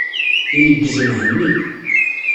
Ineggez Mhenni.